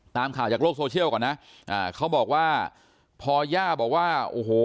ตามข่าวจากโลกโซเชียลก่อนนะอ่าเขาบอกว่าพอย่าบอกว่าโอ้โห